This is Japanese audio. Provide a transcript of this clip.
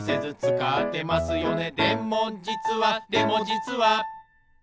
「でもじつはでもじつは」